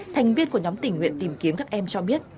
thành viên của nhóm tỉnh nguyện tìm kiếm các em cho biết